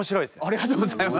ありがとうございます。